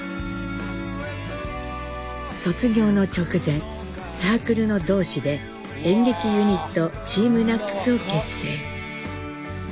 卒業の直前サークルの同士で演劇ユニットＴＥＡＭＮＡＣＳを結成。